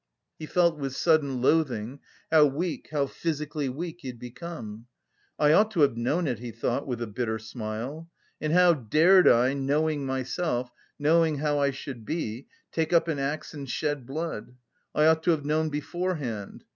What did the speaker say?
He felt with sudden loathing how weak, how physically weak he had become. "I ought to have known it," he thought with a bitter smile. "And how dared I, knowing myself, knowing how I should be, take up an axe and shed blood! I ought to have known beforehand....